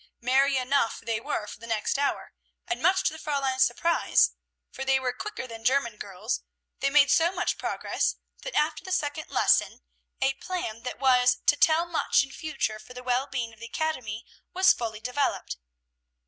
Merry enough they were for the next hour, and much to the Fräulein's surprise, for they were quicker than German girls, they made so much progress that, after the second lesson, a plan that was to tell much in future for the well being of the academy was fully developed.